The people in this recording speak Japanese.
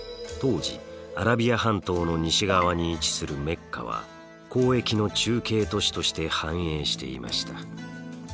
当時アラビア半島の西側に位置するメッカは交易の中継都市として繁栄していました。